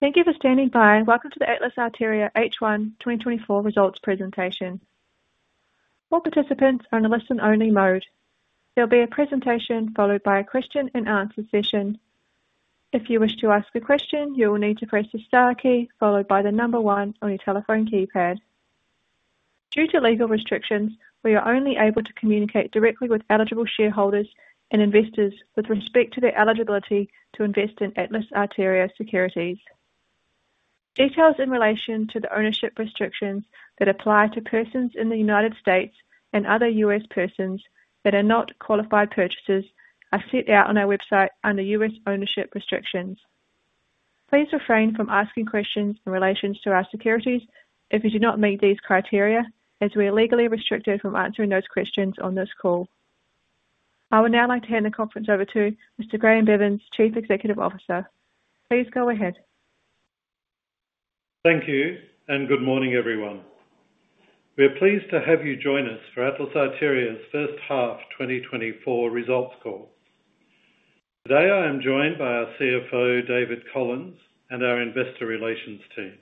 Thank you for standing by, and welcome to the Atlas Arteria H1 2024 Results Presentation. All participants are in a listen-only mode. There'll be a presentation followed by a question and answer session. If you wish to ask a question, you will need to press the star key followed by the number one on your telephone keypad. Due to legal restrictions, we are only able to communicate directly with eligible shareholders and investors with respect to their eligibility to invest in Atlas Arteria securities. Details in relation to the ownership restrictions that apply to persons in the United States and other U.S. persons that are not qualified purchasers are set out on our website under U.S. Ownership Restrictions. Please refrain from asking questions in relation to our securities if you do not meet these criteria, as we are legally restricted from answering those questions on this call. I would now like to hand the conference over to Mr. Graeme Bevans, Chief Executive Officer. Please go ahead. Thank you, and good morning, everyone. We are pleased to have you join us for Atlas Arteria's first half 2024 results call. Today, I am joined by our CFO, David Collins, and our investor relations team.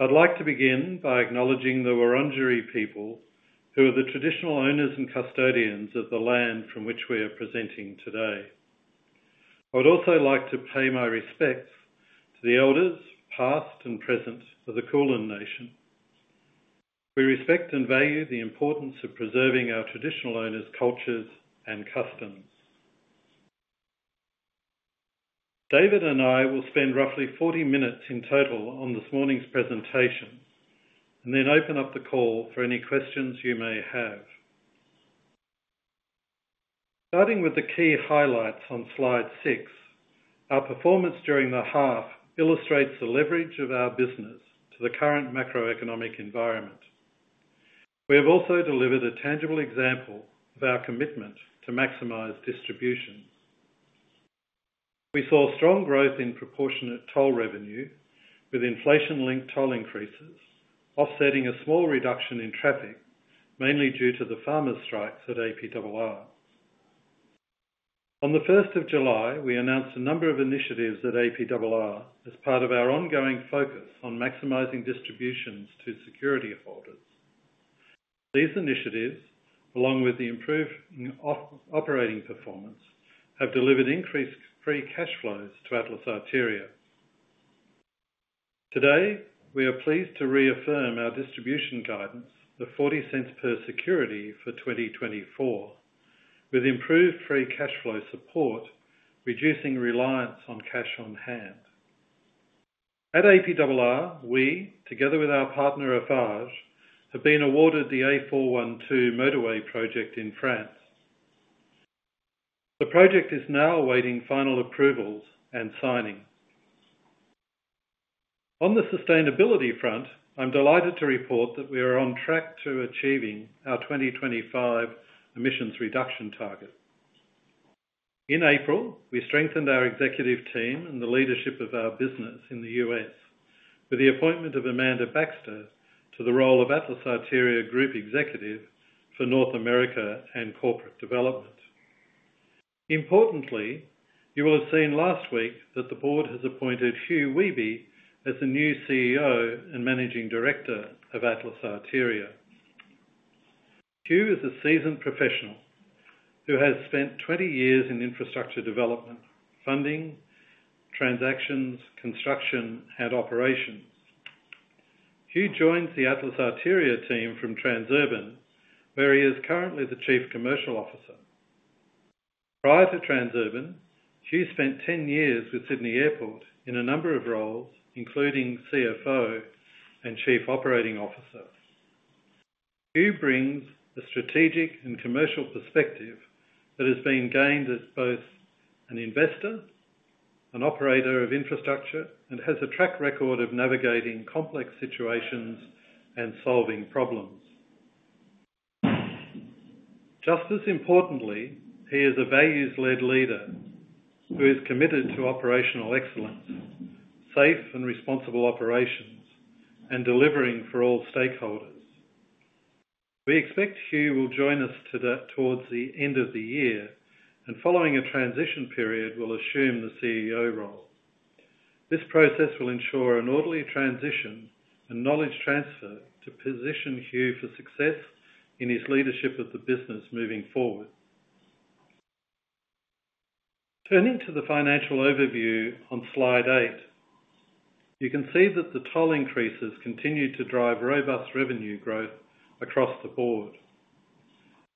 I'd like to begin by acknowledging the Wurundjeri people, who are the traditional owners and custodians of the land from which we are presenting today. I would also like to pay my respects to the elders, past and present, of the Kulin Nation. We respect and value the importance of preserving our traditional owners' cultures and customs. David and I will spend roughly 40 minutes in total on this morning's presentation and then open up the call for any questions you may have. Starting with the key highlights on slide 6, our performance during the half illustrates the leverage of our business to the current macroeconomic environment. We have also delivered a tangible example of our commitment to maximize distribution. We saw strong growth in proportionate toll revenue, with inflation-linked toll increases offsetting a small reduction in traffic, mainly due to the farmer's strikes at APRR. On the first of July, we announced a number of initiatives at APRR as part of our ongoing focus on maximizing distributions to security holders. These initiatives, along with the improved operating performance, have delivered increased free cash flows to Atlas Arteria. Today, we are pleased to reaffirm our distribution guidance of 0.40 per security for 2024, with improved free cash flow support, reducing reliance on cash on hand. At APRR, we, together with our partner, Eiffage, have been awarded the A412 motorway project in France. The project is now awaiting final approvals and signing. On the sustainability front, I'm delighted to report that we are on track to achieving our 2025 emissions reduction target. In April, we strengthened our executive team and the leadership of our business in the U.S. with the appointment of Amanda Baxter to the role of Atlas Arteria Group Executive for North America and Corporate Development. Importantly, you will have seen last week that the board has appointed Hugh Wehby as the new CEO and Managing Director of Atlas Arteria. Hugh is a seasoned professional who has spent 20 years in infrastructure development, funding, transactions, construction, and operations. Hugh joins the Atlas Arteria team from Transurban, where he is currently the Chief Commercial Officer. Prior to Transurban, Hugh spent 10 years with Sydney Airport in a number of roles, including CFO and Chief Operating Officer. Hugh brings the strategic and commercial perspective that has been gained as both an investor, an operator of infrastructure, and has a track record of navigating complex situations and solving problems. Just as importantly, he is a values-led leader who is committed to operational excellence, safe and responsible operations, and delivering for all stakeholders. We expect Hugh will join us today towards the end of the year, and following a transition period, will assume the CEO role. This process will ensure an orderly transition and knowledge transfer to position Hugh for success in his leadership of the business moving forward. Turning to the financial overview on slide eight, you can see that the toll increases continue to drive robust revenue growth across the board.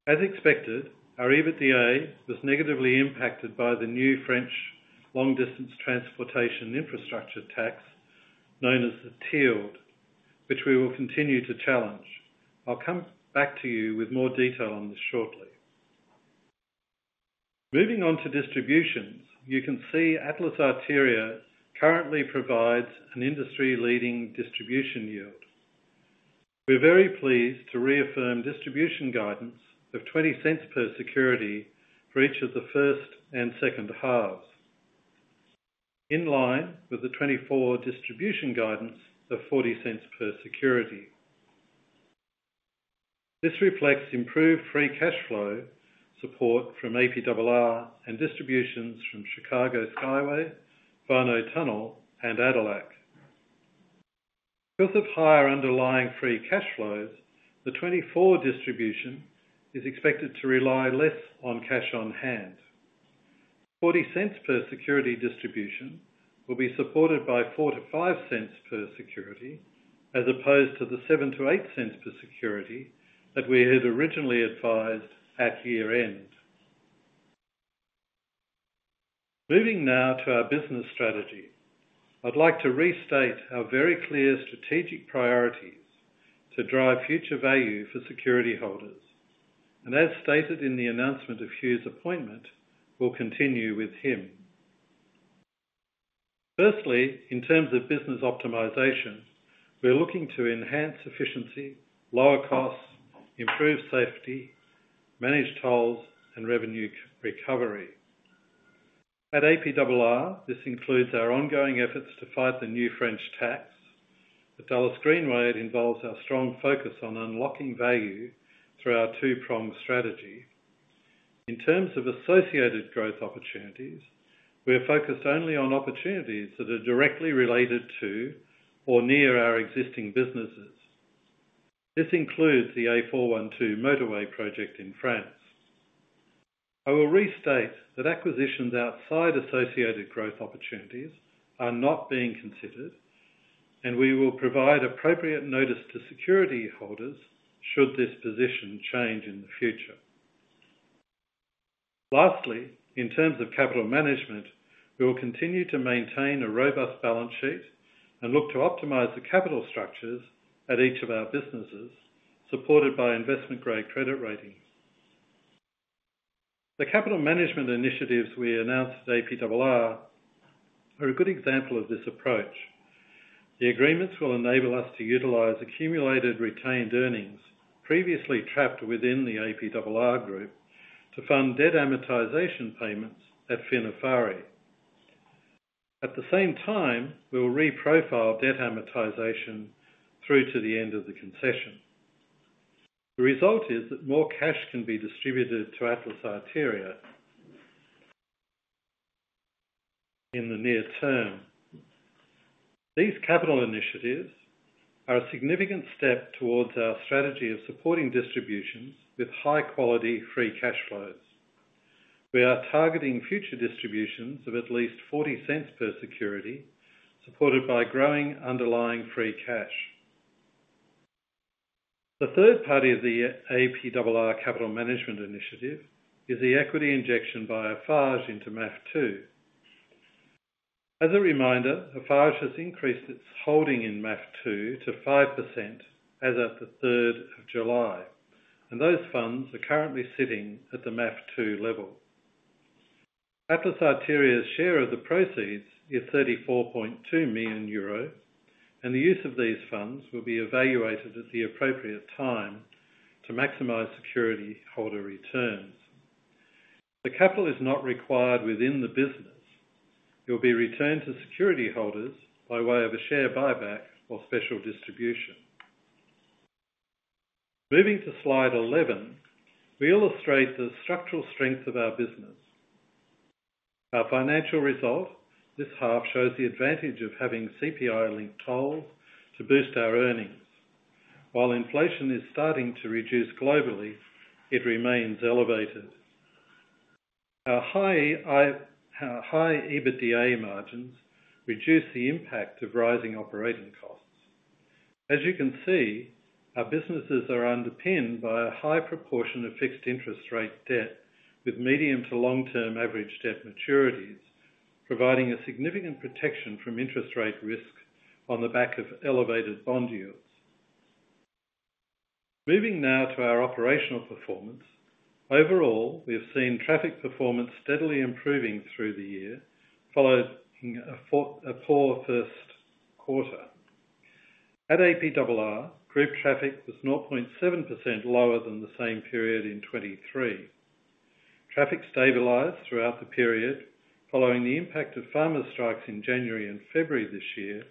As expected, our EBITDA was negatively impacted by the new French Long Distance Transportation Infrastructure Tax, known as the TILD, which we will continue to challenge. I'll come back to you with more detail on this shortly. Moving on to distributions, you can see Atlas Arteria currently provides an industry-leading distribution yield. We're very pleased to reaffirm distribution guidance of 0.20 per security for each of the first and second halves, in line with the 2024 distribution guidance of 0.40 per security. This reflects improved free cash flow, support from APRR, and distributions from Chicago Skyway, Warnow Tunnel, and ADELAC. Because of higher underlying free cash flows, the 2024 distribution is expected to rely less on cash on hand. 0.40 per security distribution will be supported by 0.04-0.05 per security, as opposed to the 0.07-0.08 per security that we had originally advised at year-end. Moving now to our business strategy. I'd like to restate our very clear strategic priorities to drive future value for security holders, and as stated in the announcement of Hugh's appointment, will continue with him. Firstly, in terms of business optimization, we are looking to enhance efficiency, lower costs, improve safety, manage tolls, and revenue recovery. At APRR, this includes our ongoing efforts to fight the new French tax. The Dulles Greenway involves our strong focus on unlocking value through our two-pronged strategy. In terms of associated growth opportunities, we are focused only on opportunities that are directly related to or near our existing businesses. This includes the A412 motorway project in France. I will restate that acquisitions outside associated growth opportunities are not being considered, and we will provide appropriate notice to security holders should this position change in the future. Lastly, in terms of capital management, we will continue to maintain a robust balance sheet and look to optimize the capital structures at each of our businesses, supported by investment-grade credit ratings. The capital management initiatives we announced at APRR are a good example of this approach. The agreements will enable us to utilize accumulated retained earnings previously trapped within the APRR group, to fund debt amortization payments at Financière Eiffarie. At the same time, we will reprofile debt amortization through to the end of the concession. The result is that more cash can be distributed to Atlas Arteria in the near term. These capital initiatives are a significant step towards our strategy of supporting distributions with high-quality, free cash flows. We are targeting future distributions of at least 0.40 per security, supported by growing underlying free cash. The third party of the APRR capital management initiative is the equity injection by Eiffage into MAF2. As a reminder, Eiffage has increased its holding in MAF2 to 5% as at the third of July, and those funds are currently sitting at the MAF2 level. Atlas Arteria's share of the proceeds is 34.2 million euro, and the use of these funds will be evaluated at the appropriate time to maximize security holder returns. The capital is not required within the business. It will be returned to security holders by way of a share buyback or special distribution. Moving to slide 11, we illustrate the structural strength of our business. Our financial results this half shows the advantage of having CPI-linked toll to boost our earnings. While inflation is starting to reduce globally, it remains elevated. Our high EBITDA margins reduce the impact of rising operating costs. As you can see, our businesses are underpinned by a high proportion of fixed interest rate debt, with medium to long-term average debt maturities, providing a significant protection from interest rate risk on the back of elevated bond yields. Moving now to our operational performance. Overall, we have seen traffic performance steadily improving through the year, following a poor first quarter. At APRR, group traffic was 0.7% lower than the same period in 2023. Traffic stabilized throughout the period, following the impact of farmer strikes in January and February this year,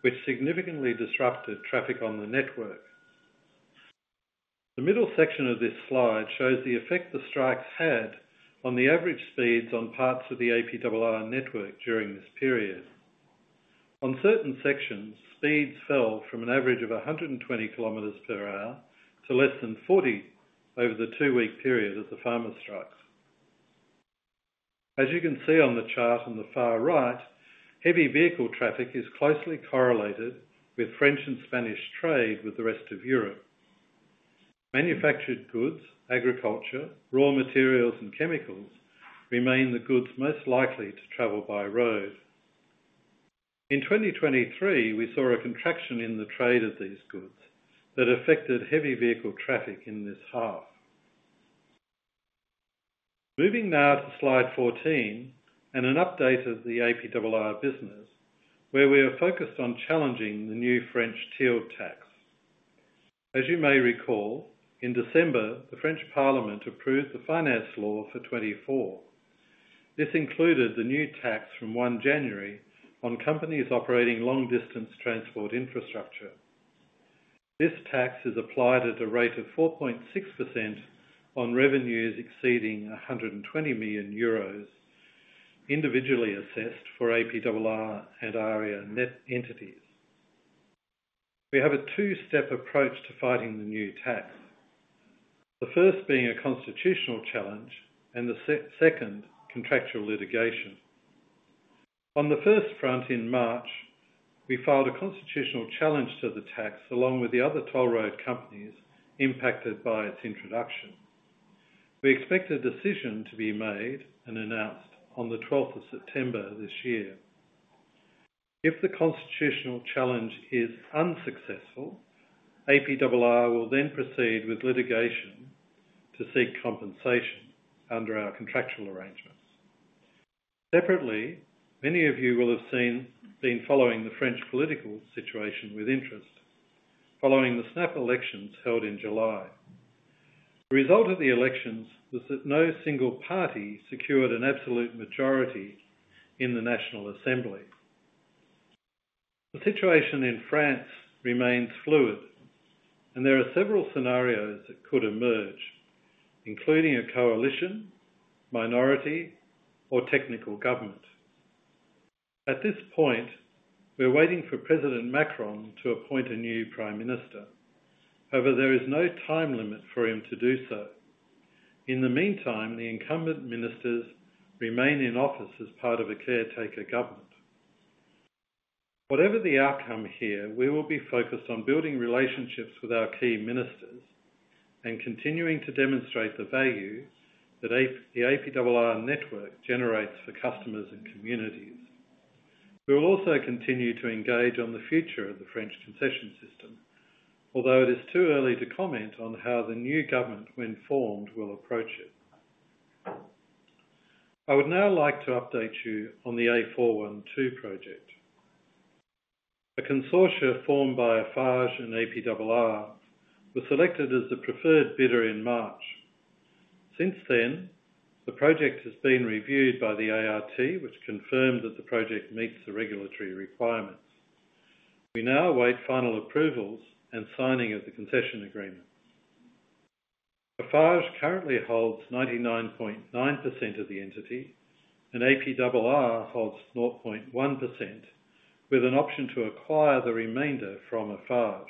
which significantly disrupted traffic on the network. The middle section of this slide shows the effect the strikes had on the average speeds on parts of the APRR network during this period. On certain sections, speeds fell from an average of 120 kilometers per hour to less than 40 over the two-week period of the farmer strikes. As you can see on the chart on the far right, heavy vehicle traffic is closely correlated with French and Spanish trade with the rest of Europe. Manufactured goods, agriculture, raw materials, and chemicals remain the goods most likely to travel by road. In 2023, we saw a contraction in the trade of these goods that affected heavy vehicle traffic in this half. Moving now to slide 14 and an update of the APRR business, where we are focused on challenging the new French TILD tax. As you may recall, in December, the French Parliament approved the finance law for 2024. This included the new tax from 1 January on companies operating long-distance transport infrastructure. This tax is applied at a rate of 4.6% on revenues exceeding 120 million euros, individually assessed for APRR and AREA net entities. We have a two-step approach to fighting the new tax, the first being a constitutional challenge and the second, contractual litigation. On the first front in March, we filed a constitutional challenge to the tax, along with the other toll road companies impacted by its introduction. We expect a decision to be made and announced on the twelfth of September this year. If the constitutional challenge is unsuccessful, APRR will then proceed with litigation to seek compensation under our contractual arrangements. Separately, many of you will have been following the French political situation with interest, following the snap elections held in July. The result of the elections was that no single party secured an absolute majority in the National Assembly. The situation in France remains fluid, and there are several scenarios that could emerge, including a coalition, minority, or technical government. At this point, we're waiting for President Macron to appoint a new prime minister. However, there is no time limit for him to do so. In the meantime, the incumbent ministers remain in office as part of a caretaker government. Whatever the outcome here, we will be focused on building relationships with our key ministers and continuing to demonstrate the value that the APRR network generates for customers and communities. We will also continue to engage on the future of the French concession system, although it is too early to comment on how the new government, when formed, will approach it. I would now like to update you on the A412 project. A consortium formed by Eiffage and APRR was selected as the preferred bidder in March. Since then, the project has been reviewed by the ART, which confirmed that the project meets the regulatory requirements. We now await final approvals and signing of the concession agreement. Eiffage currently holds 99.9% of the entity, and APRR holds 0.1%, with an option to acquire the remainder from Eiffage.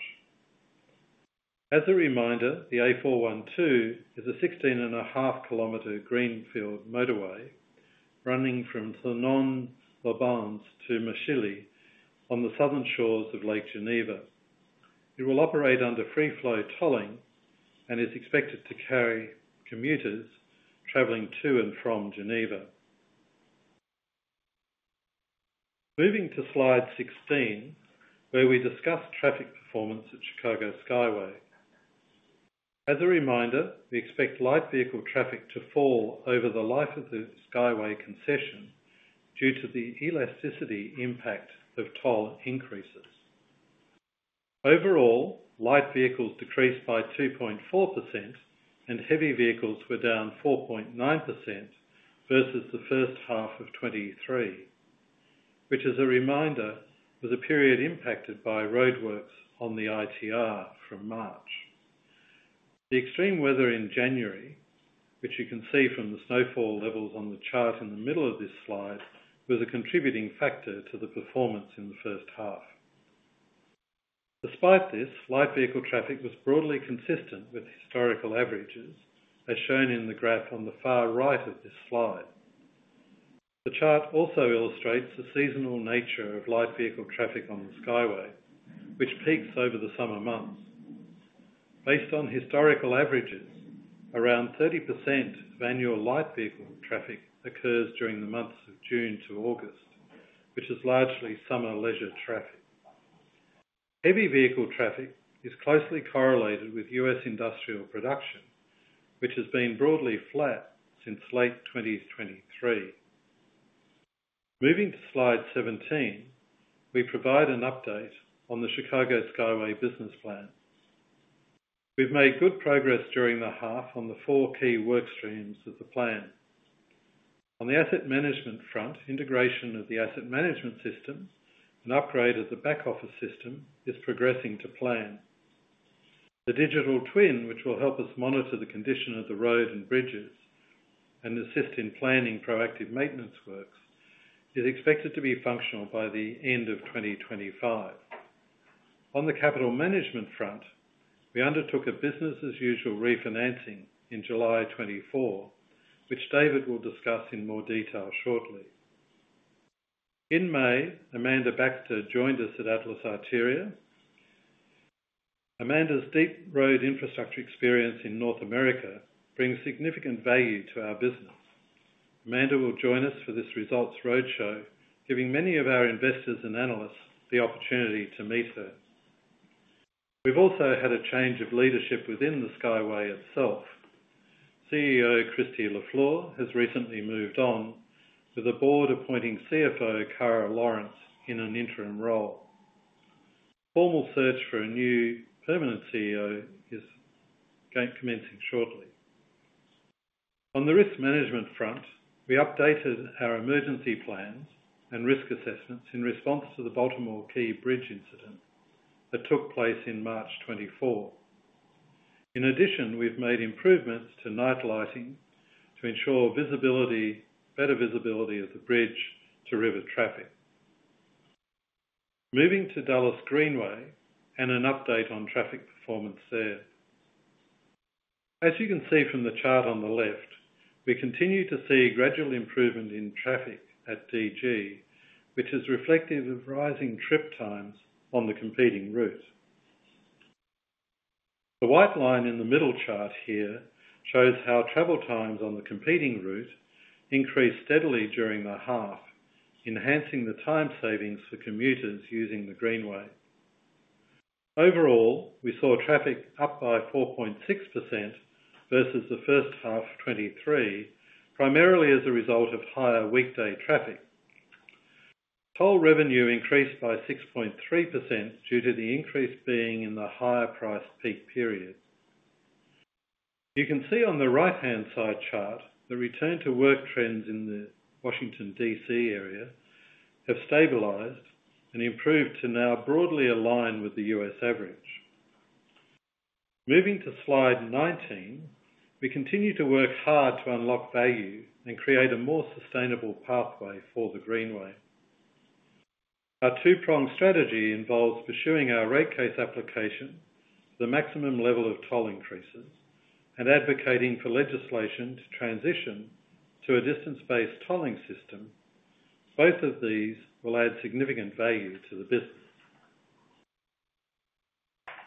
As a reminder, the A412 is a 16.5-kilometer greenfield motorway running from Thonon-les-Bains to Machilly on the southern shores of Lake Geneva. It will operate under free flow tolling and is expected to carry commuters traveling to and from Geneva. Moving to slide 16, where we discuss traffic performance at Chicago Skyway. As a reminder, we expect light vehicle traffic to fall over the life of the Skyway concession due to the elasticity impact of toll increases. Overall, light vehicles decreased by 2.4%, and heavy vehicles were down 4.9% versus the first half of 2023, which as a reminder, was a period impacted by roadworks on the ITR from March. The extreme weather in January, which you can see from the snowfall levels on the chart in the middle of this slide, was a contributing factor to the performance in the first half. Despite this, light vehicle traffic was broadly consistent with historical averages, as shown in the graph on the far right of this slide. The chart also illustrates the seasonal nature of light vehicle traffic on the Skyway, which peaks over the summer months. Based on historical averages, around 30% of annual light vehicle traffic occurs during the months of June to August, which is largely summer leisure traffic. Heavy vehicle traffic is closely correlated with U.S. industrial production, which has been broadly flat since late 2023. Moving to slide 17, we provide an update on the Chicago Skyway business plan. We've made good progress during the half on the four key work streams of the plan. On the asset management front, integration of the asset management system and upgrade of the back office system is progressing to plan. The digital twin, which will help us monitor the condition of the road and bridges and assist in planning proactive maintenance works, is expected to be functional by the end of 2025. On the capital management front, we undertook a business as usual refinancing in July 2024, which David will discuss in more detail shortly. In May, Amanda Baxter joined us at Atlas Arteria. Amanda's deep road infrastructure experience in North America brings significant value to our business. Amanda will join us for this results roadshow, giving many of our investors and analysts the opportunity to meet her. We've also had a change of leadership within the Skyway itself. CEO Kristi Lafleur has recently moved on, with the board appointing CFO Kara Lawrence in an interim role. Formal search for a new permanent CEO is commencing shortly. On the risk management front, we updated our emergency plans and risk assessments in response to the Baltimore Key Bridge incident that took place in March 2024. In addition, we've made improvements to night lighting to ensure visibility, better visibility of the bridge to river traffic. Moving to Dulles Greenway and an update on traffic performance there. As you can see from the chart on the left, we continue to see gradual improvement in traffic at DG, which is reflective of rising trip times on the competing route. The white line in the middle chart here shows how travel times on the competing route increased steadily during the half, enhancing the time savings for commuters using the Greenway. Overall, we saw traffic up by 4.6% versus the first half of 2023, primarily as a result of higher weekday traffic. Toll revenue increased by 6.3% due to the increase being in the higher price peak period. You can see on the right-hand side chart, the return-to-work trends in the Washington, DC, area have stabilized and improved to now broadly align with the U.S. average. Moving to slide nineteen. We continue to work hard to unlock value and create a more sustainable pathway for the Greenway. Our two-pronged strategy involves pursuing our rate case application, the maximum level of toll increases, and advocating for legislation to transition to a distance-based tolling system. Both of these will add significant value to the business.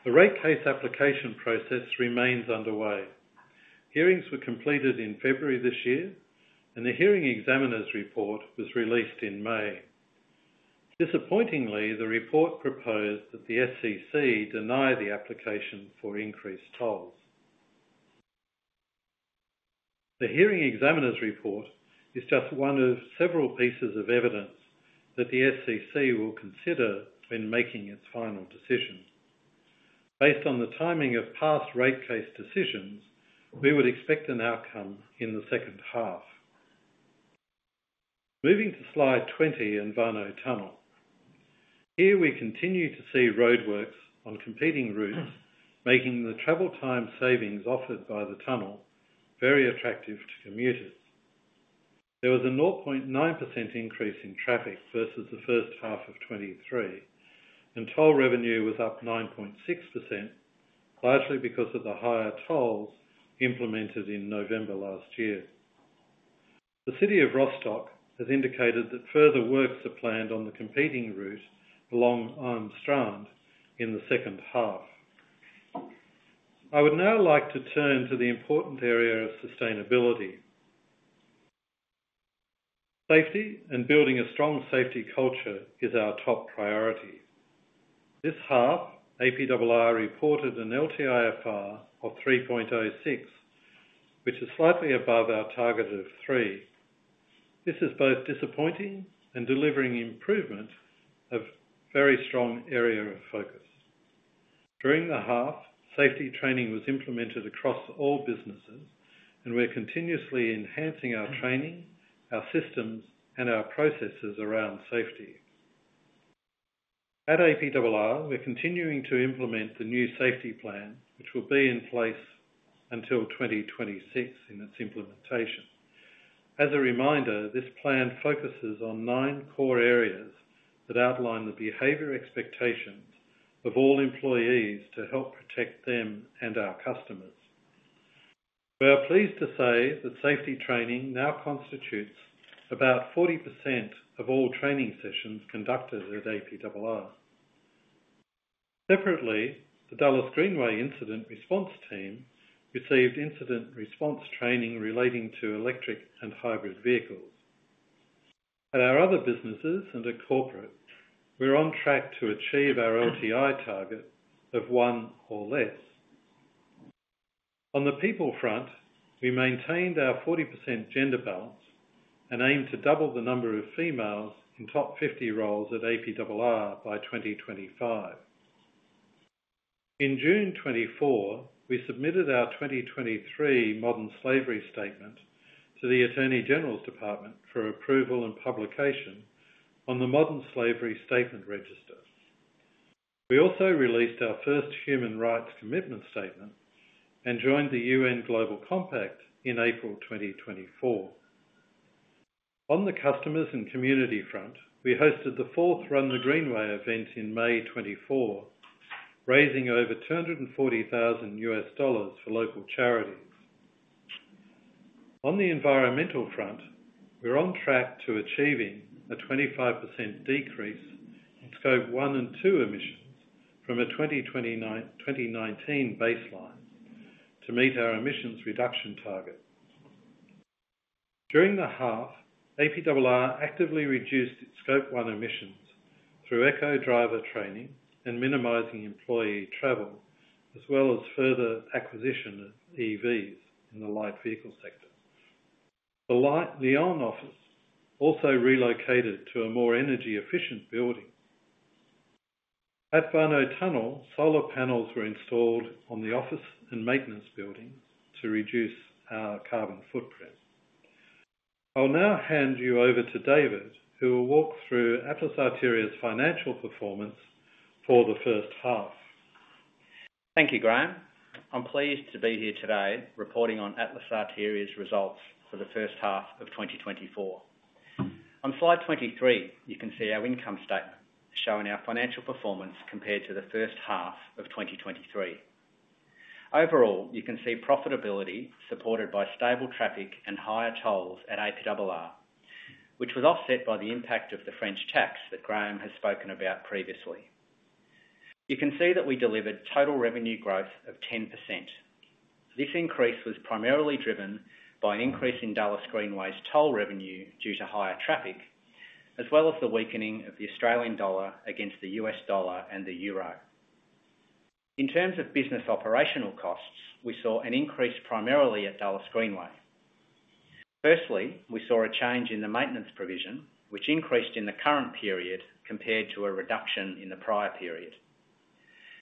The rate case application process remains underway. Hearings were completed in February this year, and the hearing examiner's report was released in May. Disappointingly, the report proposed that the SCC deny the application for increased tolls. The hearing examiner's report is just one of several pieces of evidence that the SCC will consider when making its final decision. Based on the timing of past rate case decisions, we would expect an outcome in the second half. Moving to slide 20 and Warnow Tunnel. Here we continue to see roadworks on competing routes, making the travel time savings offered by the tunnel very attractive to commuters. There was a 0.9% increase in traffic versus the first half of 2023, and toll revenue was up 9.6%, largely because of the higher tolls implemented in November last year. The City of Rostock has indicated that further works are planned on the competing route along Am Strande in the second half. I would now like to turn to the important area of sustainability. Safety and building a strong safety culture is our top priority. This half, APRR reported an LTIFR of 3.06, which is slightly above our target of 3. This is both disappointing and delivering improvement of very strong area of focus. During the half, safety training was implemented across all businesses, and we're continuously enhancing our training, our systems, and our processes around safety. At APRR, we're continuing to implement the new safety plan, which will be in place until 2026 in its implementation. As a reminder, this plan focuses on nine core areas that outline the behavior expectations of all employees to help protect them and our customers. We are pleased to say that safety training now constitutes about 40% of all training sessions conducted at APRR. Separately, the Dulles Greenway Incident Response Team received incident response training relating to electric and hybrid vehicles. At our other businesses and at corporate, we're on track to achieve our LTI target of one or less. On the people front, we maintained our 40% gender balance and aim to double the number of females in top 50 roles at APRR by 2025. In June 2024, we submitted our 2023 Modern Slavery Statement to the Attorney General's Department for approval and publication on the Modern Slavery Statement Register. We also released our first Human Rights Commitment Statement and joined the UN Global Compact in April 2024. On the customers and community front, we hosted the fourth Run the Greenway event in May 2024, raising over $240,000 for local charities. On the environmental front, we're on track to achieving a 25% decrease in Scope 1 and 2 emissions from a 2019 baseline to meet our emissions reduction target. During the half, APRR actively reduced its Scope 1 emissions through eco-driver training and minimizing employee travel, as well as further acquisition of EVs in the light vehicle sector. The fleet, our own office also relocated to a more energy-efficient building. At Warnow Tunnel, solar panels were installed on the office and maintenance building to reduce our carbon footprint. I'll now hand you over to David, who will walk through Atlas Arteria's financial performance for the first half. Thank you, Graeme. I'm pleased to be here today, reporting on Atlas Arteria's results for the first half of 2024. On slide 23, you can see our income statement showing our financial performance compared to the first half of 2023. Overall, you can see profitability supported by stable traffic and higher tolls at APRR, which was offset by the impact of the French tax that Graeme has spoken about previously. You can see that we delivered total revenue growth of 10%. This increase was primarily driven by an increase in Dulles Greenway's toll revenue due to higher traffic, as well as the weakening of the Australian dollar against the U.S. dollar and the euro. In terms of business operational costs, we saw an increase primarily at Dulles Greenway. Firstly, we saw a change in the maintenance provision, which increased in the current period compared to a reduction in the prior period.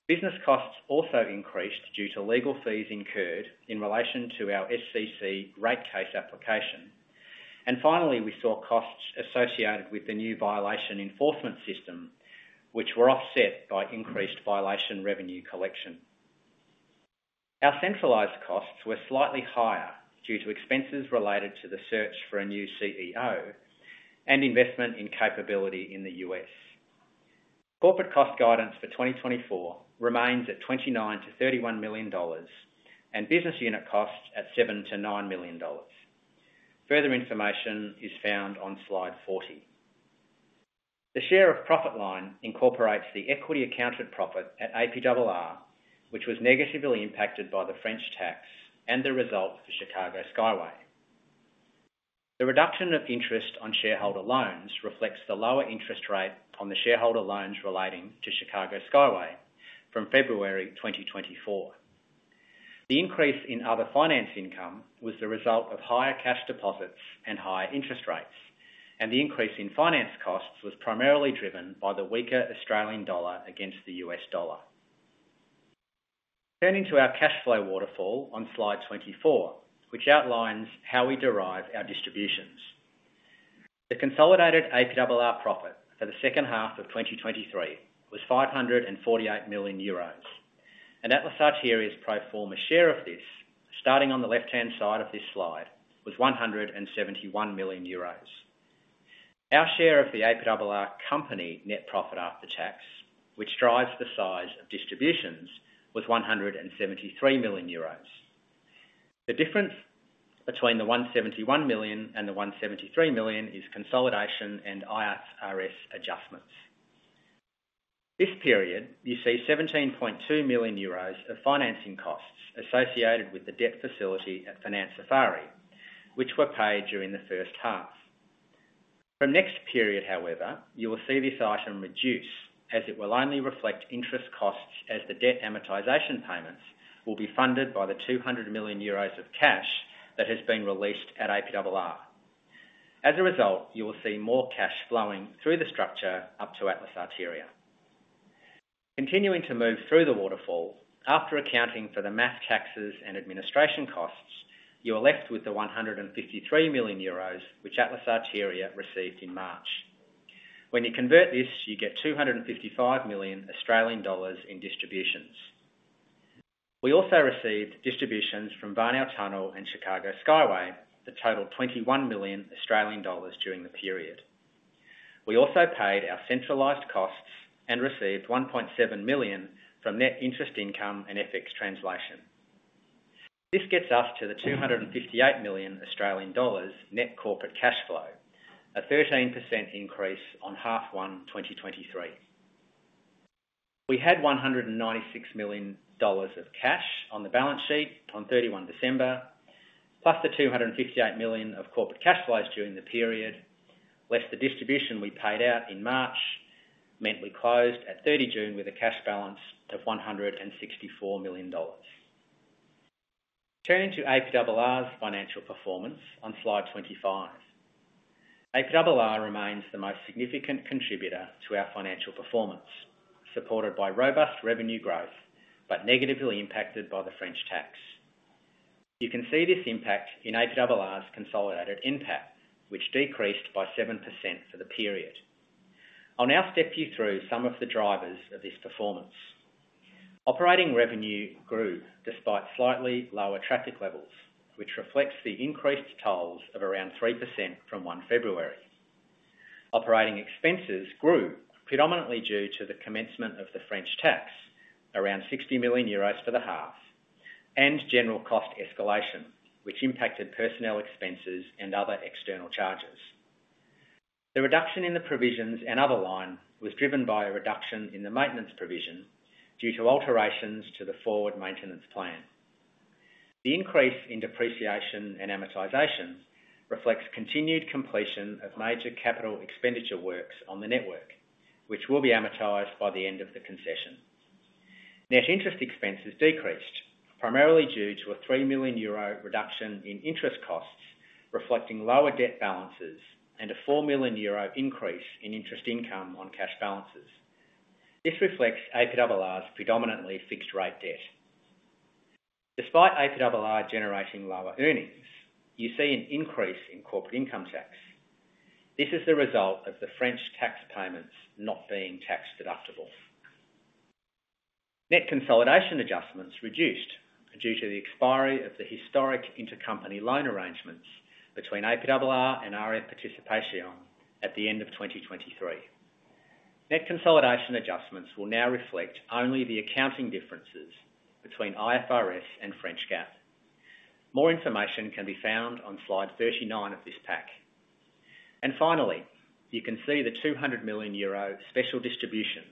Business costs also increased due to legal fees incurred in relation to our SCC rate case application. Finally, we saw costs associated with the new violation enforcement system, which were offset by increased violation revenue collection. Our centralized costs were slightly higher due to expenses related to the search for a new CEO and investment in capability in the U.S. Corporate cost guidance for 2024 remains at 29-31 million dollars, and business unit costs at 7-9 million dollars. Further information is found on slide 40. The share of profit line incorporates the equity accounted profit at APRR, which was negatively impacted by the French tax and the results for Chicago Skyway. The reduction of interest on shareholder loans reflects the lower interest rate on the shareholder loans relating to Chicago Skyway from February 2024. The increase in other finance income was the result of higher cash deposits and higher interest rates, and the increase in finance costs was primarily driven by the weaker Australian dollar against the U.S. dollar. Turning to our cash flow waterfall on slide 24, which outlines how we derive our distributions. The consolidated APRR profit for the second half of 2023 was 548 million euros, and Atlas Arteria's pro forma share of this, starting on the left-hand side of this slide, was 171 million euros. Our share of the APRR company net profit after tax, which drives the size of distributions, was 173 million euros. The difference between the 171 million and the 173 million is consolidation and IFRS adjustments. This period, you see 17.2 million euros of financing costs associated with the debt facility at Financière Eiffarie, which were paid during the first half. From next period, however, you will see this item reduce as it will only reflect interest costs, as the debt amortization payments will be funded by the 200 million euros of cash that has been released at APRR. As a result, you will see more cash flowing through the structure up to Atlas Arteria. Continuing to move through the waterfall, after accounting for the VAT taxes and administration costs, you are left with the 153 million euros, which Atlas Arteria received in March. When you convert this, you get 255 million Australian dollars in distributions. We also received distributions from Warnow Tunnel and Chicago Skyway that totaled 21 million Australian dollars during the period. We also paid our centralized costs and received 1.7 million from net interest income and FX translation. This gets us to the 258 million Australian dollars net corporate cash flow, a 13% increase on H1 2023. We had 196 million dollars of cash on the balance sheet on 31 December, plus the 258 million of corporate cash flows during the period, less the distribution we paid out in March, meant we closed at 30 June with a cash balance of 164 million dollars. Turning to APRR's financial performance on slide 25. APRR remains the most significant contributor to our financial performance, supported by robust revenue growth, but negatively impacted by the French tax. You can see this impact in APRR's consolidated impact, which decreased by 7% for the period. I'll now step you through some of the drivers of this performance. Operating revenue grew despite slightly lower traffic levels, which reflects the increased tolls of around 3% from 1 February. Operating expenses grew predominantly due to the commencement of the French tax, around 60 million euros for the half, and general cost escalation, which impacted personnel expenses and other external charges. The reduction in the provisions and other line was driven by a reduction in the maintenance provision due to alterations to the forward maintenance plan. The increase in depreciation and amortization reflects continued completion of major capital expenditure works on the network, which will be amortized by the end of the concession. Net interest expense has decreased, primarily due to a 3 million euro reduction in interest costs, reflecting lower debt balances and a 4 million euro increase in interest income on cash balances. This reflects APRR's predominantly fixed rate debt. Despite APRR generating lower earnings, you see an increase in corporate income tax. This is the result of the French tax payments not being tax deductible. Net consolidation adjustments reduced due to the expiry of the historic intercompany loan arrangements between APRR and AREA Participation at the end of 2023. Net consolidation adjustments will now reflect only the accounting differences between IFRS and French GAAP. More information can be found on slide 39 of this pack. And finally, you can see the 200 million euro special distribution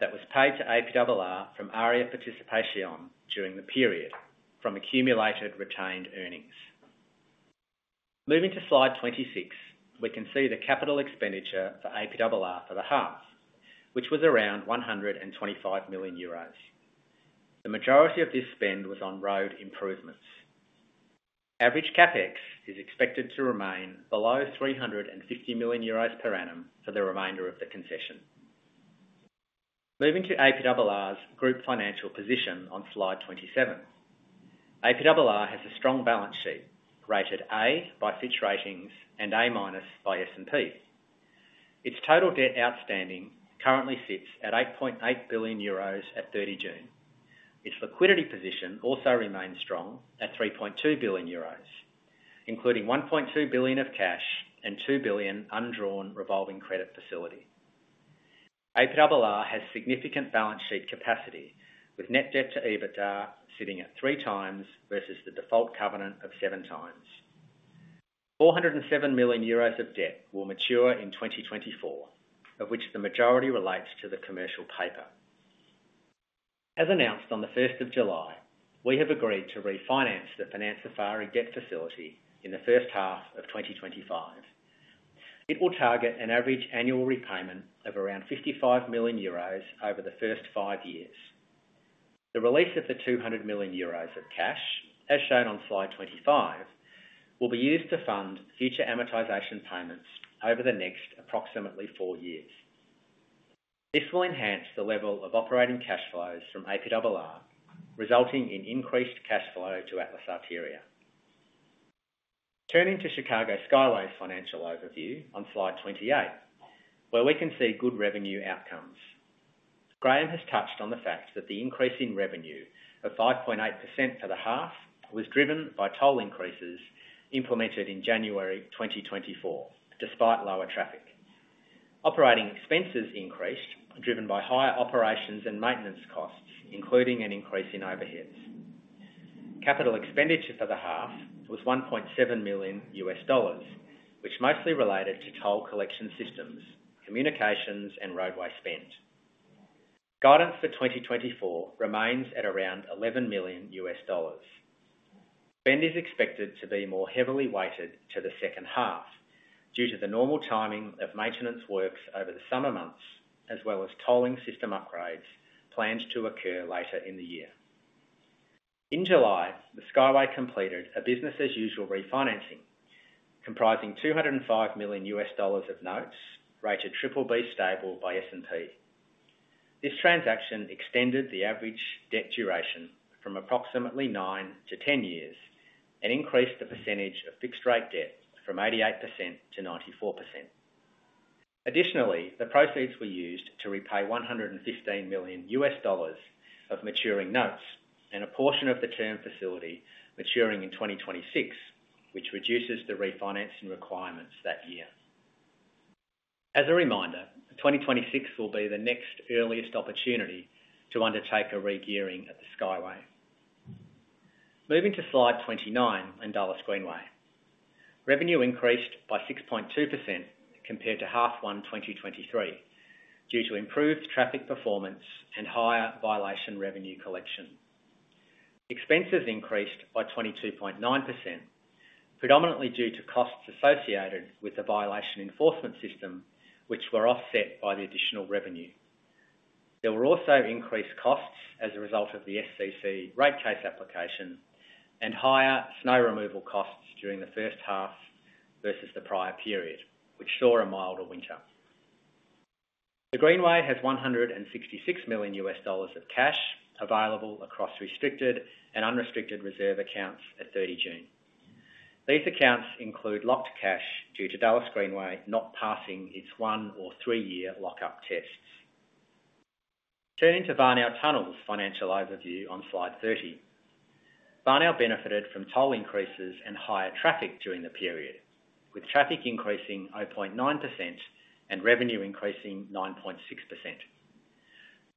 that was paid to APRR from AREA Participation during the period from accumulated retained earnings. Moving to slide 26, we can see the capital expenditure for APRR for the half, which was around 125 million euros. The majority of this spend was on road improvements. Average CapEx is expected to remain below 350 million euros per annum for the remainder of the concession. Moving to APRR's group financial position on slide 27. APRR has a strong balance sheet, rated A by Fitch Ratings and A minus by S&P. Its total debt outstanding currently sits at 8.8 billion euros at 30 June. Its liquidity position also remains strong at 3.2 billion euros, including 1.2 billion of cash and 2 billion undrawn revolving credit facility. APRR has significant balance sheet capacity, with net debt to EBITDA sitting at three times versus the default covenant of seven times. 407 million euros of debt will mature in 2024, of which the majority relates to the commercial paper. As announced on July 1, we have agreed to refinance the Financière Eiffarie debt facility in the first half of 2025. It will target an average annual repayment of around 55 million euros over the first five years. The release of the 200 million euros of cash, as shown on slide 25, will be used to fund future amortization payments over the next approximately four years. This will enhance the level of operating cash flows from APRR, resulting in increased cash flow to Atlas Arteria. Turning to Chicago Skyway's financial overview on slide 28, where we can see good revenue outcomes. Graeme has touched on the fact that the increase in revenue of 5.8% for the half was driven by toll increases implemented in January 2024, despite lower traffic. Operating expenses increased, driven by higher operations and maintenance costs, including an increase in overheads. Capital expenditure for the half was $1.7 million, which mostly related to toll collection systems, communications, and roadway spend. Guidance for 2024 remains at around $11 million. Spend is expected to be more heavily weighted to the second half, due to the normal timing of maintenance works over the summer months, as well as tolling system upgrades planned to occur later in the year. In July, the Skyway completed a business-as-usual refinancing, comprising $205 million of notes, rated BBB stable by S&P. This transaction extended the average debt duration from approximately nine to ten years and increased the percentage of fixed rate debt from 88% to 94%. Additionally, the proceeds were used to repay $115 million of maturing notes and a portion of the term facility maturing in 2026, which reduces the refinancing requirements that year. As a reminder, 2026 will be the next earliest opportunity to undertake a regearing at the Skyway. Moving to slide 29 and Dulles Greenway. Revenue increased by 6.2% compared to half one 2023, due to improved traffic performance and higher violation revenue collection. Expenses increased by 22.9%, predominantly due to costs associated with the violation enforcement system, which were offset by the additional revenue. There were also increased costs as a result of the SCC rate case application and higher snow removal costs during the first half versus the prior period, which saw a milder winter. The Dulles Greenway has $166 million of cash available across restricted and unrestricted reserve accounts at 30 June. These accounts include locked cash due to Dulles Greenway not passing its one- or three-year lockup tests. Turning to Warnow Tunnel's financial overview on slide 30. Warnow Tunnel benefited from toll increases and higher traffic during the period, with traffic increasing 0.9% and revenue increasing 9.6%.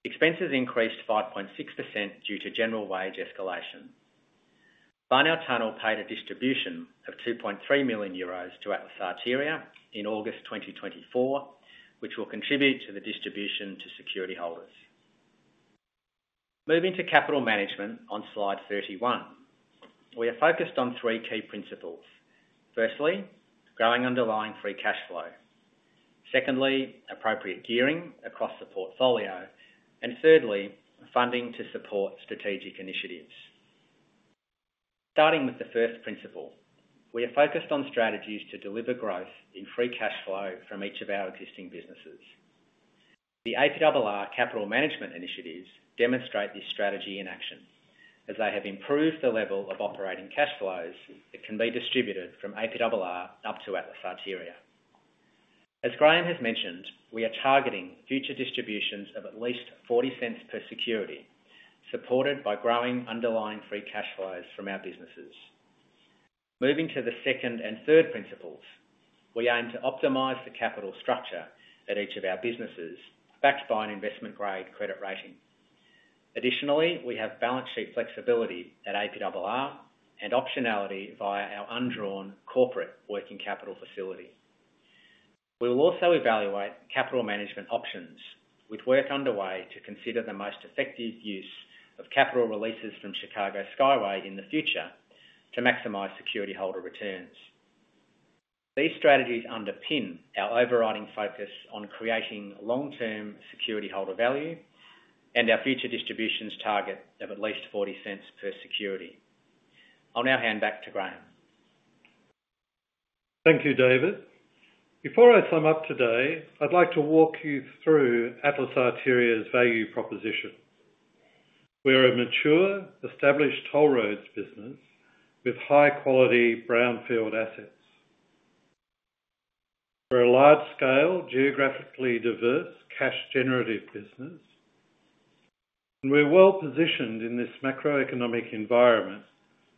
Expenses increased 5.6% due to general wage escalation. Warnow Tunnel paid a distribution of 2.3 million euros to Atlas Arteria in August 2024, which will contribute to the distribution to security holders. Moving to capital management on slide 31. We are focused on three key principles: firstly, growing underlying free cash flow, secondly, appropriate gearing across the portfolio, and thirdly, funding to support strategic initiatives. Starting with the first principle, we are focused on strategies to deliver growth in free cash flow from each of our existing businesses. The APRR capital management initiatives demonstrate this strategy in action, as they have improved the level of operating cash flows that can be distributed from APRR up to Atlas Arteria. As Graeme has mentioned, we are targeting future distributions of at least 0.40 per security, supported by growing underlying free cash flows from our businesses. Moving to the second and third principles, we aim to optimize the capital structure at each of our businesses, backed by an investment-grade credit rating. Additionally, we have balance sheet flexibility at APRR and optionality via our undrawn corporate working capital facility. We will also evaluate capital management options, with work underway to consider the most effective use of capital releases from Chicago Skyway in the future to maximize security holder returns. These strategies underpin our overriding focus on creating long-term security holder value and our future distributions target of at least 0.40 per security. I'll now hand back to Graeme. Thank you, David. Before I sum up today, I'd like to walk you through Atlas Arteria's value proposition. We are a mature, established toll roads business with high-quality brownfield assets. We're a large scale, geographically diverse, cash-generative business, and we're well-positioned in this macroeconomic environment,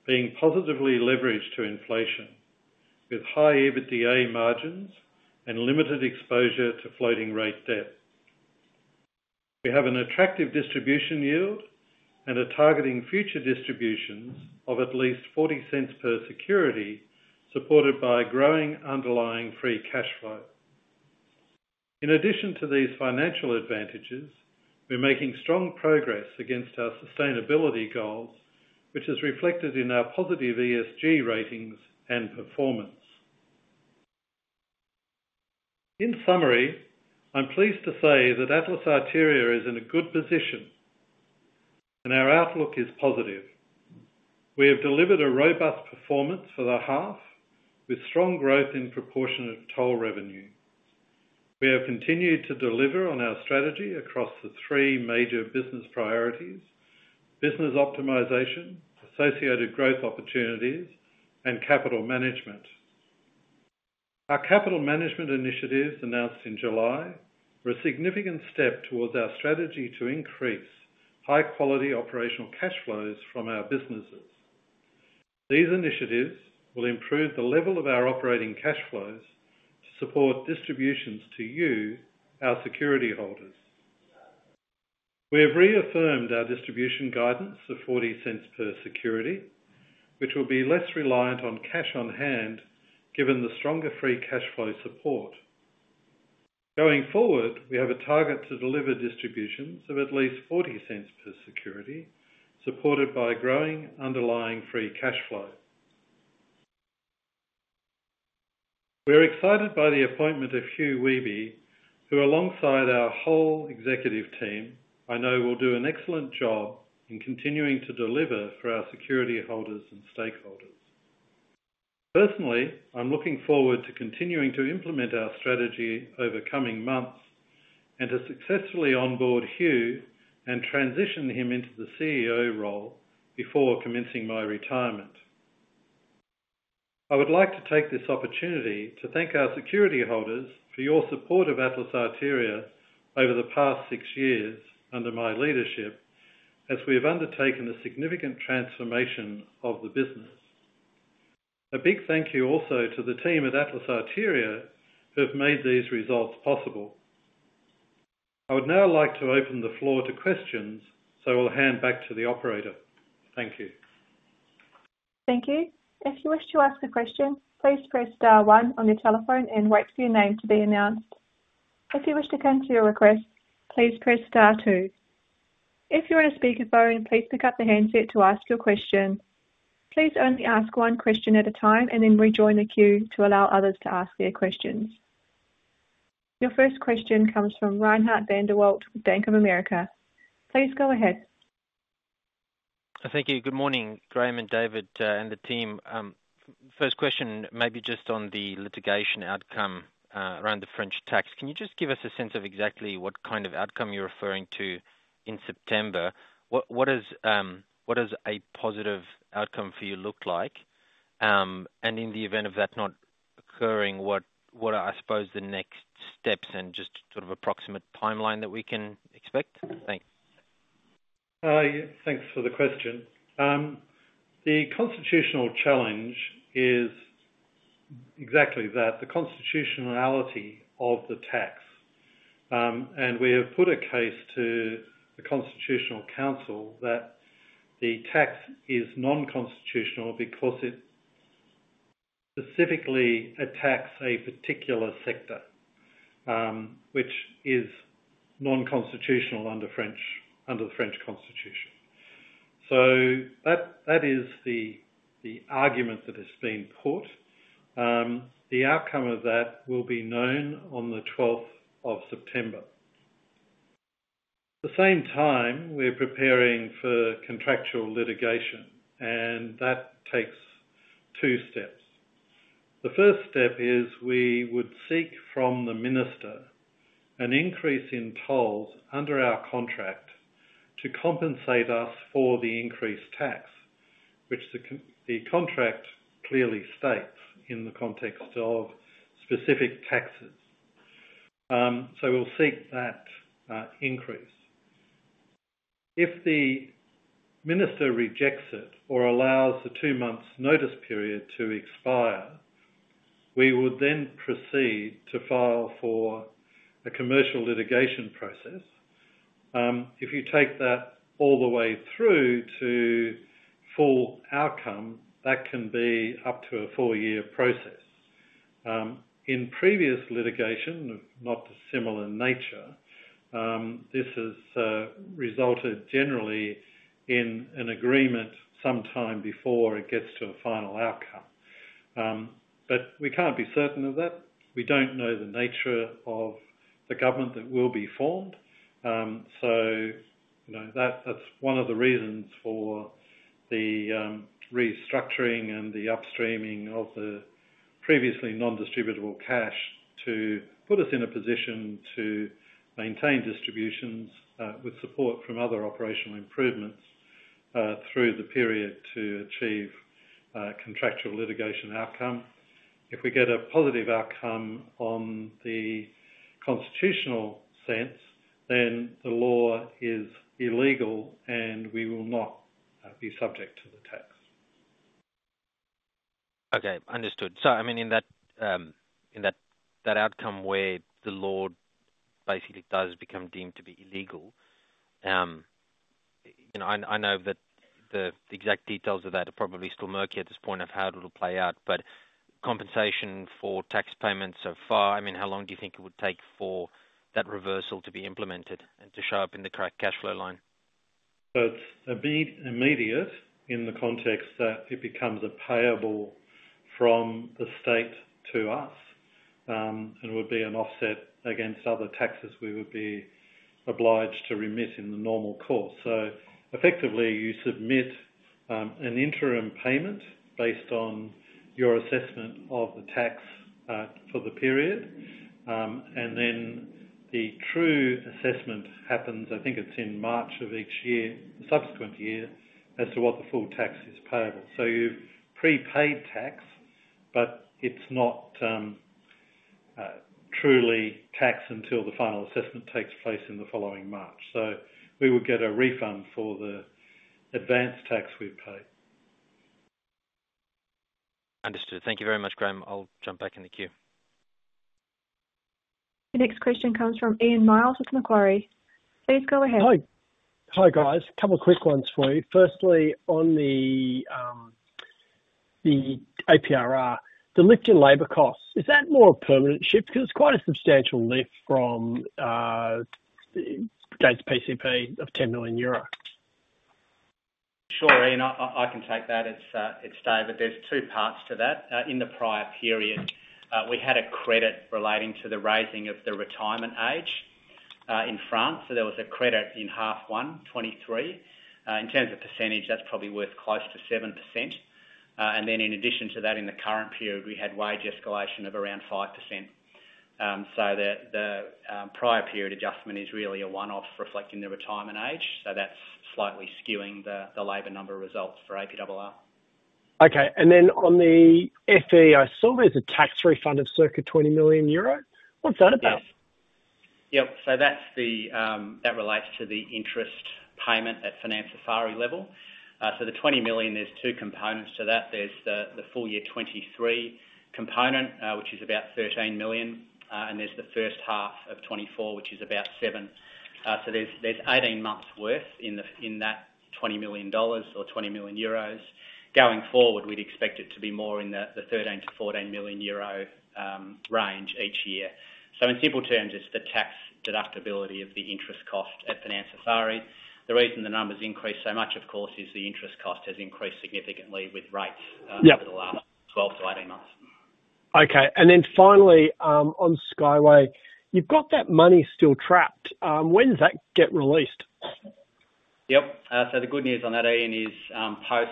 being positively leveraged to inflation with high EBITDA margins and limited exposure to floating rate debt. We have an attractive distribution yield and are targeting future distributions of at least 0.40 per security, supported by growing underlying free cash flow. In addition to these financial advantages, we're making strong progress against our sustainability goals, which is reflected in our positive ESG ratings and performance. In summary, I'm pleased to say that Atlas Arteria is in a good position, and our outlook is positive. We have delivered a robust performance for the half, with strong growth in proportionate toll revenue. We have continued to deliver on our strategy across the three major business priorities: business optimization, associated growth opportunities, and capital management. Our capital management initiatives, announced in July, were a significant step towards our strategy to increase high-quality operational cash flows from our businesses. These initiatives will improve the level of our operating cash flows to support distributions to you, our security holders. We have reaffirmed our distribution guidance of 0.40 per security, which will be less reliant on cash on hand, given the stronger free cash flow support. Going forward, we have a target to deliver distributions of at least 0.40 per security, supported by growing underlying free cash flow. We are excited by the appointment of Hugh Wehby, who, alongside our whole executive team, I know will do an excellent job in continuing to deliver for our security holders and stakeholders. Personally, I'm looking forward to continuing to implement our strategy over coming months and to successfully onboard Hugh and transition him into the CEO role before commencing my retirement. I would like to take this opportunity to thank our security holders for your support of Atlas Arteria over the past six years under my leadership, as we have undertaken a significant transformation of the business. A big thank you also to the team at Atlas Arteria, who have made these results possible. I would now like to open the floor to questions, so I will hand back to the operator. Thank you. Thank you. If you wish to ask a question, please press star one on your telephone and wait for your name to be announced. If you wish to cancel your request, please press star two. If you're in a speaker phone, please pick up the handset to ask your question. Please only ask one question at a time, and then rejoin the queue to allow others to ask their questions. Your first question comes from Reinhardt van der Walt, Bank of America. Please go ahead. Thank you. Good morning, Graeme and David, and the team. First question may be just on the litigation outcome around the French tax. Can you just give us a sense of exactly what kind of outcome you're referring to in September? What does a positive outcome for you look like? And in the event of that not occurring, what are, I suppose, the next steps and just sort of approximate timeline that we can expect? Thanks. Yeah, thanks for the question. The constitutional challenge is exactly that, the constitutionality of the tax, and we have put a case to the Constitutional Council that the tax is non-constitutional because it specifically attacks a particular sector, which is non-constitutional under the French constitution, so that is the argument that has been put. The outcome of that will be known on the twelfth of September. At the same time, we're preparing for contractual litigation, and that takes two steps. The first step is we would seek from the minister an increase in tolls under our contract to compensate us for the increased tax, which the contract clearly states in the context of specific taxes, so we'll seek that increase. If the minister rejects it or allows the two months' notice period to expire, we would then proceed to file for a commercial litigation process. If you take that all the way through to full outcome, that can be up to a four-year process. In previous litigation, not similar in nature, this has resulted generally in an agreement sometime before it gets to a final outcome. But we can't be certain of that. We don't know the nature of the government that will be formed. So, you know, that, that's one of the reasons for the restructuring and the upstreaming of the previously non-distributable cash to put us in a position to maintain distributions, with support from other operational improvements, through the period to achieve contractual litigation outcome. If we get a positive outcome on the constitutional challenge, then the law is illegal, and we will not be subject to the tax. Okay, understood. So I mean, in that outcome where the law basically does become deemed to be illegal, you know, I know that the exact details of that are probably still murky at this point of how it'll play out, but compensation for tax payments so far, I mean, how long do you think it would take for that reversal to be implemented and to show up in the correct cash flow line? So it's immediate in the context that it becomes a payable from the state to us, and would be an offset against other taxes we would be obliged to remit in the normal course. So effectively, you submit an interim payment based on your assessment of the tax for the period, and then the true assessment happens, I think it's in March of each year, subsequent year, as to what the full tax is payable. So you've prepaid tax, but it's not truly tax until the final assessment takes place in the following March. So we would get a refund for the advanced tax we've paid. Understood. Thank you very much, Graeme. I'll jump back in the queue. The next question comes from Ian Myles with Macquarie. Please go ahead. Hi. Hi, guys, a couple quick ones for you. Firstly, on the APRR, the lift in labor costs, is that more a permanent shift? Because it's quite a substantial lift from against PCP of 10 million euro. Sure, Ian, I can take that. It's David. There's two parts to that. In the prior period, we had a credit relating to the raising of the retirement age in France, so there was a credit in half one, 2023. In terms of percentage, that's probably worth close to 7%. And then in addition to that, in the current period, we had wage escalation of around 5%. So the prior period adjustment is really a one-off reflecting the retirement age, so that's slightly skewing the labor number results for APRR. Okay. And then on the FEI, I saw there's a tax refund of circa 20 million euro. What's that about? Yes. Yep, so that's the. That relates to the interest payment at Financière Eiffarie level. So the 20 million, there's two components to that. There's the full year 2023 component, which is about 13 million, and there's the first half of 2024, which is about seven. So there's eighteen months worth in the in that 20 million dollars or 20 million euros. Going forward, we'd expect it to be more in the 13 million euro-EUR14 million range each year. So in simple terms, it's the tax deductibility of the interest cost at Financière Eiffarie. The reason the numbers increased so much, of course, is the interest cost has increased significantly with rates. Yep Over the last 12-18 months. Okay. And then finally, on Skyway, you've got that money still trapped. When does that get released? Yep. So the good news on that, Ian, is, post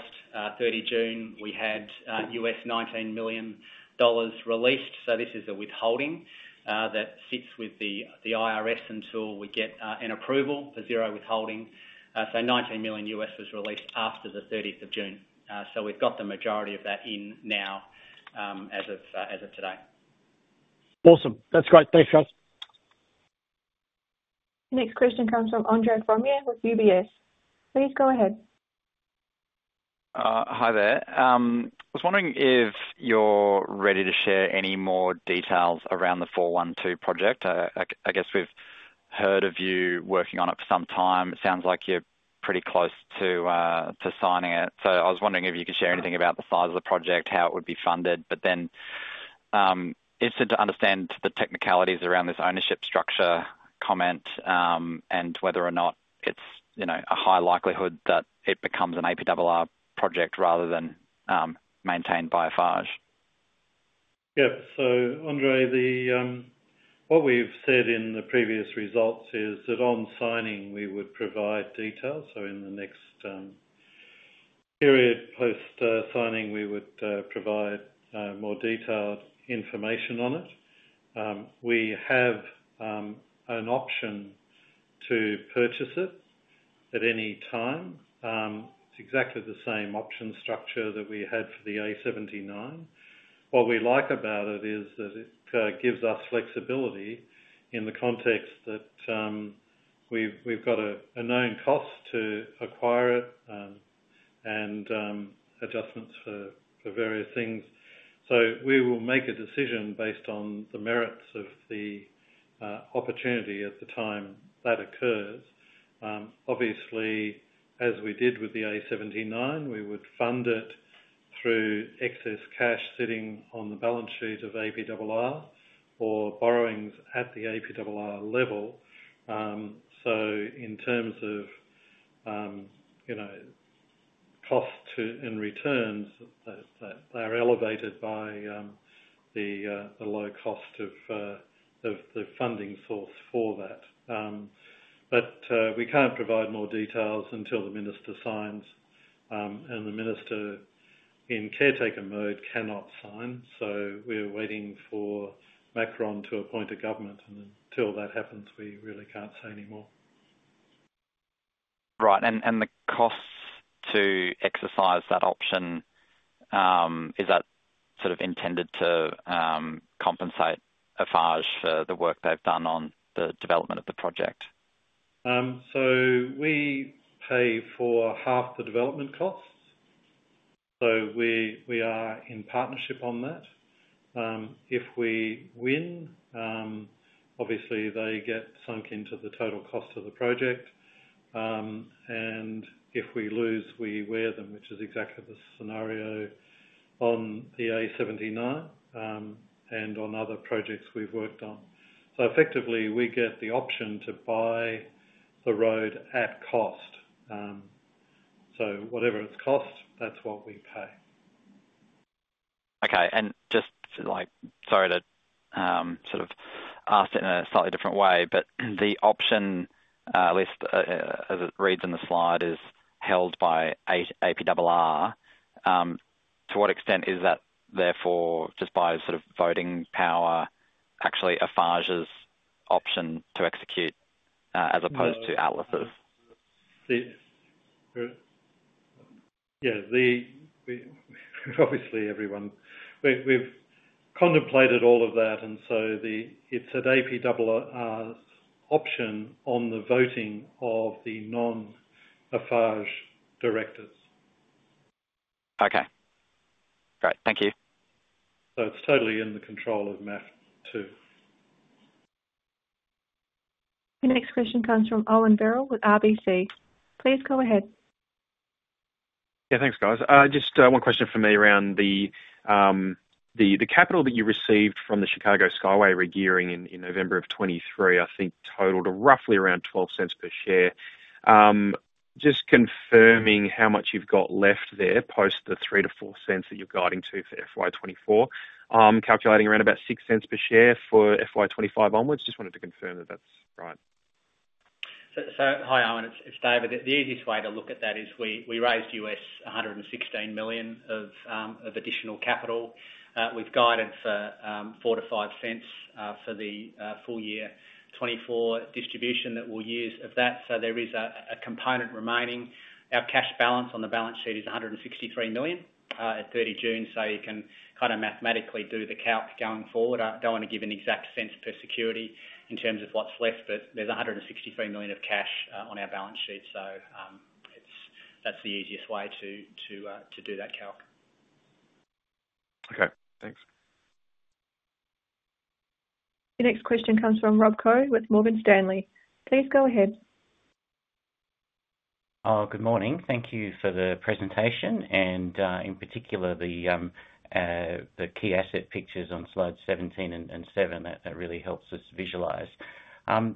thirty June, we had $19 million released, so this is a withholding that sits with the IRS until we get an approval for zero withholding. So $19 million was released after the thirtieth of June. So we've got the majority of that in now, as of today. Awesome! That's great. Thanks, guys. The next question comes from Andre Fromyhr with UBS. Please go ahead. Hi there. I was wondering if you're ready to share any more details around the four one two project. I guess we've heard of you working on it for some time. It sounds like you're pretty close to signing it. So I was wondering if you could share anything about the size of the project, how it would be funded, but then I want to understand the technicalities around this ownership structure comment, and whether or not it's, you know, a high likelihood that it becomes an APRR project rather than maintained by Eiffage. Yeah. So, Andre, what we've said in the previous results is that on signing, we would provide details. So in the next period, post signing, we would provide more detailed information on it. We have an option to purchase it at any time. It's exactly the same option structure that we had for the A79. What we like about it is that it gives us flexibility in the context that we've got a known cost to acquire it, and adjustments for various things. So we will make a decision based on the merits of the opportunity at the time that occurs. Obviously, as we did with the A79, we would fund it through excess cash sitting on the balance sheet of APRR or borrowings at the APRR level. So in terms of, you know, cost to... and returns, they are elevated by the low cost of the funding source for that. But we can't provide more details until the minister signs, and the minister in caretaker mode cannot sign. So we're waiting for Macron to appoint a government, and until that happens, we really can't say any more. Right. And the costs to exercise that option, is that sort of intended to compensate Eiffage for the work they've done on the development of the project? So we pay for half the development costs, so we are in partnership on that. If we win, obviously they get sunk into the total cost of the project. And if we lose, we wear them, which is exactly the scenario on the A79, and on other projects we've worked on. So effectively, we get the option to buy the road at cost. So whatever its cost, that's what we pay. Okay. And just to like... Sorry to sort of ask it in a slightly different way, but the option, at least, as it reads in the slide, is held by APRR. To what extent is that, therefore, just by sort of voting power, actually Eiffage's option to execute, as opposed to Atlas's? Yeah, obviously, everyone. We've contemplated all of that, and so it's an APRR's option on the voting of the non-Eiffage directors. Okay. Great. Thank you. So it's totally in the control of Macquarie too. The next question comes from Owen Birrell with RBC. Please go ahead. Yeah, thanks, guys. Just one question for me around the capital that you received from the Chicago Skyway regearing in November of 2023, I think totaled roughly around 0.12 per share. Just confirming how much you've got left there, post the 0.03-0.04 that you're guiding to for FY 2024. I'm calculating around about 0.06 per share for FY 2025 onwards. Just wanted to confirm that that's right. Hi, Owen, it's David. The easiest way to look at that is we raised $116 million of additional capital with guidance for 4-5 cents for the full year 2024 distribution that we'll use of that. So there is a component remaining. Our cash balance on the balance sheet is $163 million at 30 June, so you can kind of mathematically do the calc going forward. I don't want to give an exact cents per security in terms of what's left, but there's $163 million of cash on our balance sheet. So, that's the easiest way to do that calc. Okay, thanks. The next question comes from Rob Koh with Morgan Stanley. Please go ahead. Good morning. Thank you for the presentation and, in particular, the key asset pictures on slide seventeen and seven. That really helps us visualize.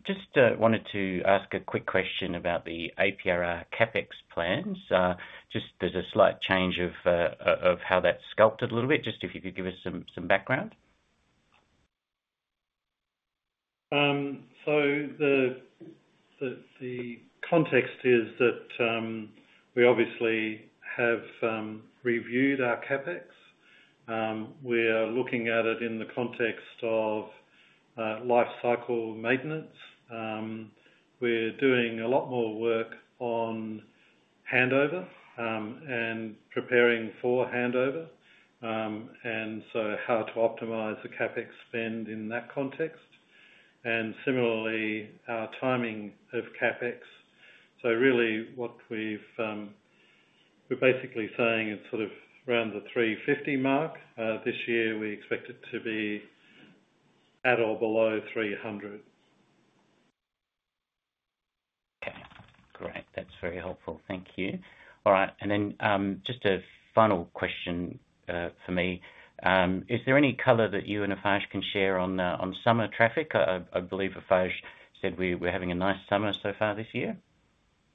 Just wanted to ask a quick question about the APRR CapEx plans. Just there's a slight change of how that's sculpted a little bit. Just if you could give us some background. So the context is that we obviously have reviewed our CapEx. We are looking at it in the context of life cycle maintenance. We're doing a lot more work on handover and preparing for handover and so how to optimize the CapEx spend in that context, and similarly, our timing of CapEx. So really we're basically saying it's sort of around the 350 mark. This year, we expect it to be at or below 300. That's very helpful. Thank you. All right, and then, just a final question for me. Is there any color that you and Eiffage can share on the, on summer traffic? I believe Eiffage said we're having a nice summer so far this year.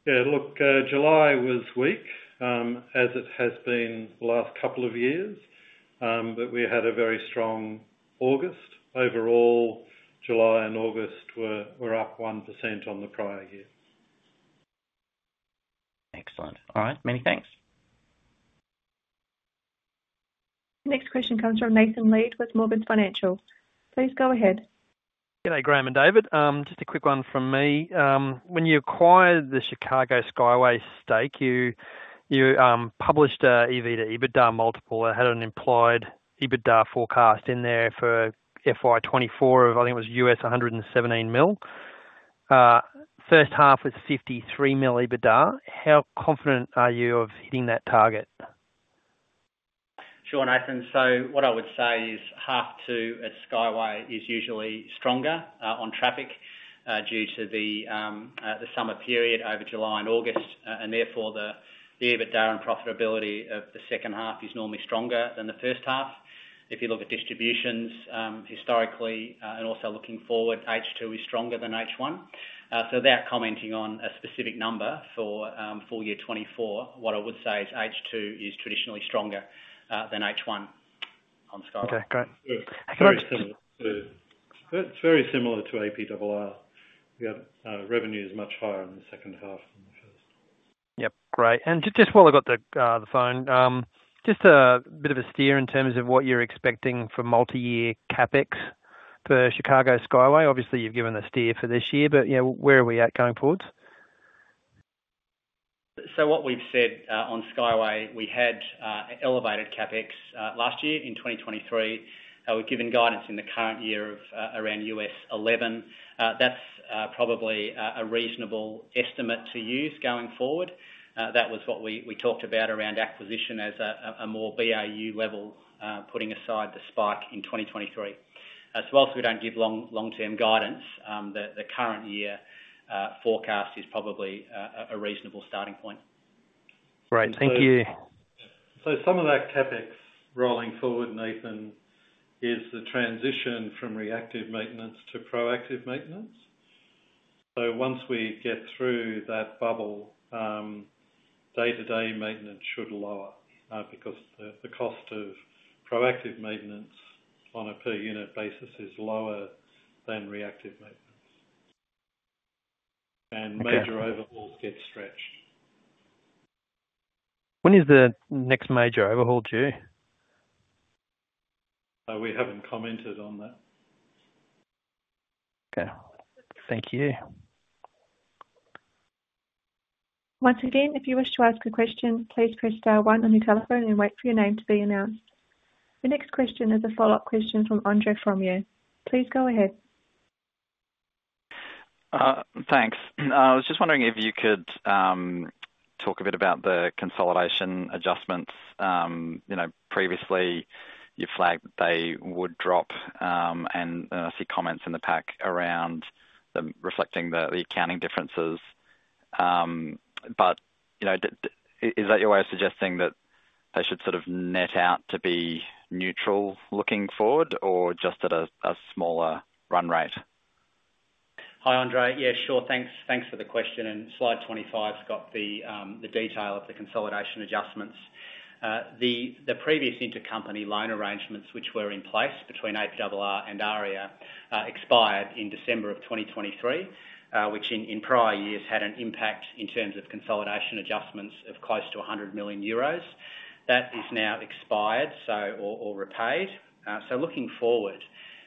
Yeah, look, July was weak, as it has been the last couple of years. But we had a very strong August. Overall, July and August were up 1% on the prior year. Excellent. All right. Many thanks. Next question comes from Nathan Lead with Morgans Financial. Please go ahead. G'day, Graeme and David. Just a quick one from me. When you acquired the Chicago Skyway stake, you published a EV to EBITDA multiple. It had an implied EBITDA forecast in there for FY 2024 of, I think it was $117 million. First half was $53 million EBITDA. How confident are you of hitting that target? Sure, Nathan. So what I would say is, H2 at Skyway is usually stronger on traffic due to the summer period over July and August, and therefore, the EBITDA and profitability of the second half is normally stronger than the first half. If you look at distributions, historically, and also looking forward, H2 is stronger than H1. So without commenting on a specific number for full year 2024, what I would say is H2 is traditionally stronger than H1 on Sky. Okay, great. It's very similar to APRR. We have revenues much higher in the second half than the first. Yep, great. And just while I got the, the phone, just a bit of a steer in terms of what you're expecting for multi-year CapEx for Chicago Skyway. Obviously, you've given the steer for this year, but, you know, where are we at going forward? What we've said on Skyway, we had elevated CapEx last year in 2023. We've given guidance in the current year of around $11. That's probably a reasonable estimate to use going forward. That was what we talked about around acquisition as a more BAU level, putting aside the spike in 2023. As well, we don't give long-term guidance. The current year forecast is probably a reasonable starting point. Great, thank you. Some of that CapEx rolling forward, Nathan, is the transition from reactive maintenance to proactive maintenance. Once we get through that bubble, day-to-day maintenance should lower, because the cost of proactive maintenance on a per unit basis is lower than reactive maintenance. Okay. Major overhauls get stretched. When is the next major overhaul due? We haven't commented on that. Okay. Thank you. Once again, if you wish to ask a question, please press star one on your telephone and wait for your name to be announced. The next question is a follow-up question from Andre Fromyhr. Please go ahead. Thanks. I was just wondering if you could talk a bit about the consolidation adjustments. You know, previously, you flagged they would drop, and I see comments in the pack around reflecting the accounting differences. But, you know, is that your way of suggesting that they should sort of net out to be neutral looking forward, or just at a smaller run rate? Hi, Andre. Yeah, sure. Thanks, thanks for the question, and slide 25's got the detail of the consolidation adjustments. The previous intercompany loan arrangements, which were in place between APRR and AREA, expired in December of 2023, which in prior years had an impact in terms of consolidation adjustments of close to 100 million euros. That is now expired, so or repaid. So looking forward,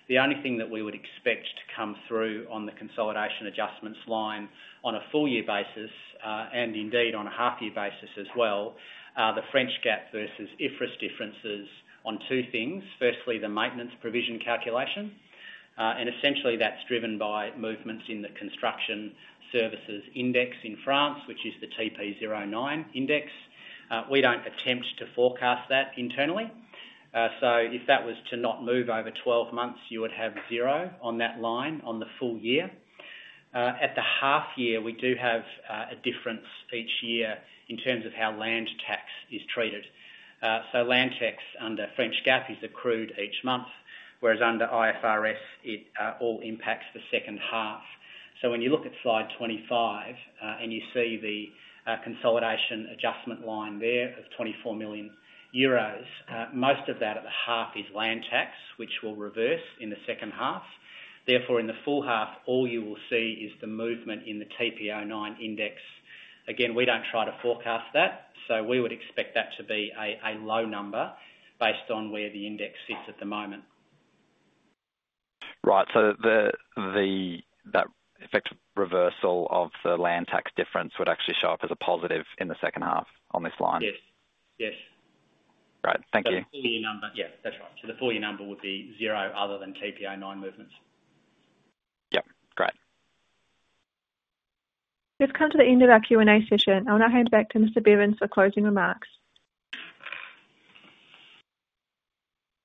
the only thing that we would expect to come through on the consolidation adjustments line on a full year basis, and indeed on a half year basis as well, are the French GAAP versus IFRS differences on two things. Firstly, the maintenance provision calculation, and essentially that's driven by movements in the Construction Services Index in France, which is the TP09 Index. We don't attempt to forecast that internally. So if that was to not move over 12 months, you would have zero on that line on the full year. At the half year, we do have a difference each year in terms of how land tax is treated. So land tax under French GAAP is accrued each month, whereas under IFRS it all impacts the second half. So when you look at slide 25, and you see the consolidation adjustment line there of 24 million euros, most of that at the half is land tax, which will reverse in the second half. Therefore, in the full half, all you will see is the movement in the TP09 index. Again, we don't try to forecast that, so we would expect that to be a low number based on where the index sits at the moment. Right. So that effect reversal of the land tax difference would actually show up as a positive in the second half on this line? Yes. Yes. Right. Thank you. The full year number. Yeah, that's right. So the full year number would be zero other than TP09 movements. Yep. Great. We've come to the end of our Q&A session. I'll now hand back to Mr. Bevans for closing remarks.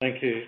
Thank you.